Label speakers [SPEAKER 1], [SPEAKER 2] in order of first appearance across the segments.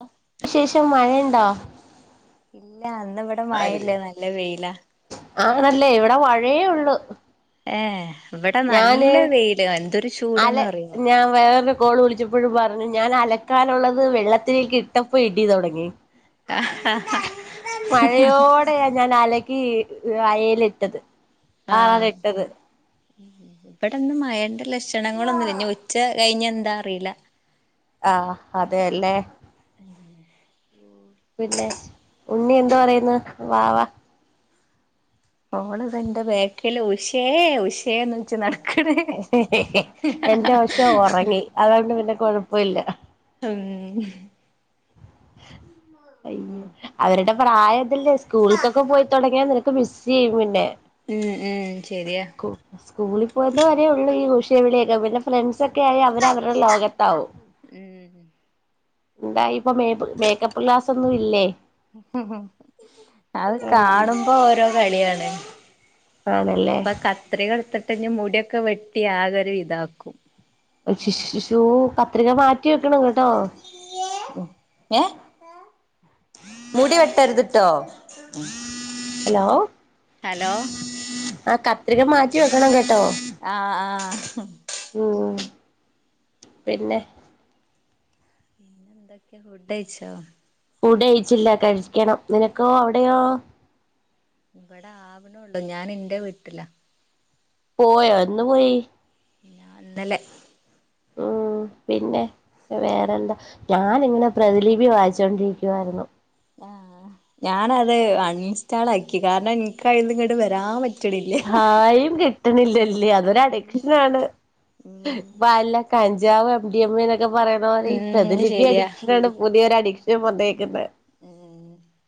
[SPEAKER 1] ഹ
[SPEAKER 2] ശേഷം മഴ ഇണ്ടോ.
[SPEAKER 1] ഇല്ല ഇന്ന് ഇവടെ മഴ ഇല്ല. നല്ല വെയില.
[SPEAKER 2] ആണല്ലേ ഇവടെ മയേ ഒള്ളു.
[SPEAKER 1] ഏ ഇവടെ നല്ല വെയ്ല്. എന്തൊരു
[SPEAKER 2] അല
[SPEAKER 1] ചൂട്ന്നറിയോ.
[SPEAKER 2] ഞാൻ വേറു കൊൾ വിളിച്ചപ്പോഴും പറഞ്ഞു ഞാൻ അലക്കാനുള്ളത് വെള്ളത്തിലേക്ക് ഇട്ടപ്പോ ഇടി തുടങ്ങി. മഴയോടെയാ ഞാൻ അലക്കി അയേല്ട്ടത്.
[SPEAKER 1] ആഹ് ഇവിടെന്ന് മഴന്റെ ലക്ഷണങ്ങളൊന്നുല്ല. ഇഞ്ഞി ഉച്ച കഴിഞ്ഞ് എന്താറീല.
[SPEAKER 2] ആഹ് അതെല്ലേ.
[SPEAKER 1] ഉം
[SPEAKER 2] പിന്നെ ഉണ്ണി എന്തോ പറയുന്ന് വവാ.
[SPEAKER 1] ഓള് ത. ഇന്റെ ബേക്ക്ല് ഉഷേ ഉഷേന്ന്ൾച്ച്നട്
[SPEAKER 2] എന്റെ അശം ഒറങ്ങി. അതോണ്ട് പിന്നെ കൊഴപ്പല്ല.
[SPEAKER 1] ഉം
[SPEAKER 2] അയ്യൊ.
[SPEAKER 1] ഉം
[SPEAKER 2] അവരുടെ പ്രായം ഇതെല്ലേ. സ്കൂൾക്കൊക്കെ പോയിതൊടങ്ങിയ നിനക്ക് മിസ്സയപിന്നെ.
[SPEAKER 1] ഉം ഉം ശരിയാ.
[SPEAKER 2] ഉം സ്കൂളീ പോയ്ന്നവരെള്ളൂ ഈ ഉഷേ വിളിക്കെ പിന്നെ ഫ്രണ്ട്സക്കായി അവര് അവരെ ലോകത്താവും
[SPEAKER 1] ഉം
[SPEAKER 2] ന്താപ്പേമെ പ്പ് മേക്കപ്പ് ഗ്ലാസൊന്നു ഇല്ലേ.
[SPEAKER 1] അത് കാണുമ്പോ ഓരോ കളിയാണ്.
[SPEAKER 2] ആണല്ലേ.
[SPEAKER 1] പ്പ കത്രികെട്ത്തിട്ട് ഞ് മുടിയൊക്കെ വെട്ടി ആകര് വിതാക്കും.
[SPEAKER 2] അശ് ശ് ഷോ കത്രിക മാറ്റി വെക്കണ
[SPEAKER 1] ഏഹ് മുടി വെട്ടരുത്ട്ടോ
[SPEAKER 2] ഹലോ
[SPEAKER 1] ഹലോ
[SPEAKER 2] ആഹ് കത്രിക മാറ്റി വെക്കണം കേട്ടോ
[SPEAKER 1] അ ആഹ്
[SPEAKER 2] ഉം പിന്നെ
[SPEAKER 1] പിന്നെ ന്തൊക്കെ ഹുഡച്ചോ
[SPEAKER 2] ഫുഡ് കയിച്ചില്ല കഴിക്കണം നിനക്കോ അവിടെയോ
[SPEAKER 1] ഇബടെ ആവനോള്ളു ഞാൻ ഇന്റെ വീട്ടില
[SPEAKER 2] പോയ എന്ന് പോയി
[SPEAKER 1] ഞാന്നലെ
[SPEAKER 2] ഉം പിന്നെ വേറെന്താ ഞാാനിങ്ങനെ പ്രതിലിപി വായിചൊണ്ടിരിക്കുവായിരുന്നു
[SPEAKER 1] ആഹ് ഞാനത് അണിൻസ്റ്റാളാക്കി കാരണം എനിക്ക്യ നിങ്ങട്ട് വരാൻ പ
[SPEAKER 2] തായും കിട്ടണില്ലല്ലേ അതൊരു അഡിക്ഷനാണ്
[SPEAKER 1] ഉം
[SPEAKER 2] വല കഞ്ചാവ് എം ഡി എം എ എന്നൊക്കെ പറയുന്ന പോലെ ഇ പ്രതിലിപി
[SPEAKER 1] ശരിയാ
[SPEAKER 2] അഡിക്ഷനാണ് പുതിയൊരു അഡിക്ഷൻ വന്നേക്കുന്നെ
[SPEAKER 1] ഉം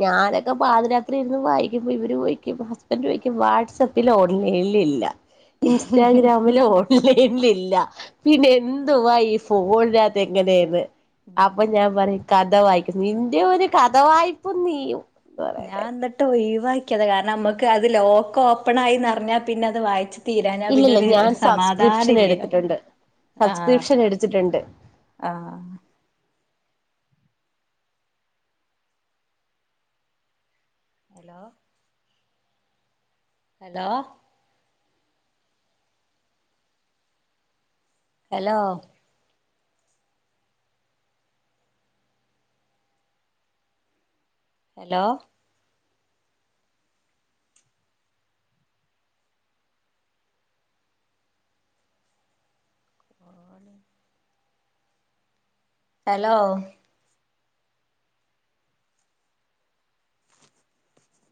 [SPEAKER 2] ഞാനൊക്കെ പാതി രാത്രി ഇരുന്ന് വായിക്കുമ്പ ഇവരോയ്ക്കും ഹസ്ബൻഡോയ്ക്കും വാട്സാപ്പിലോ ഇല്ലില്ല ഇൻസ്റ്റഗ്രാമിലോ ഇല്ല ഇല്ലല്ല പിന്നെ എന്തുവാ ഈ ഫോണിനകത്ത് എങ്ങനെയന്ന് അപ്പൊ ഞാൻ പറയും കഥ വായിക്കുന്നു നിന്റെ ഒരു കഥ വയ്പും നീയും എന്ന്
[SPEAKER 1] ഞാ
[SPEAKER 2] പറയുന്നേ
[SPEAKER 1] എന്നിട്ട് ഒയ് വാക്കിയത കാരണം നമ്മുക്ക് അതില് ലോക്കോപ്പണായിന്ന്റിഞ്ഞാൽ പിന്നെ അത് വായിച് തീരാഞ്ഞ പിന്നെ
[SPEAKER 2] ഇല്ലില്ല
[SPEAKER 1] ഒരു
[SPEAKER 2] ഞാൻ
[SPEAKER 1] ഒര് സമാധാന
[SPEAKER 2] സബ്സ്ക്രിപ്ഷൻ
[SPEAKER 1] ഇല്ലല്ലോ
[SPEAKER 2] എടുത്തിട്ടുണ്ട്
[SPEAKER 1] ആഹ്
[SPEAKER 2] സബ്സ്ക്രിപ്ഷൻ എടുത്തിട്ടുണ്ട്
[SPEAKER 1] ആഹ് hello hello hello hello hello